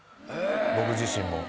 僕自身も。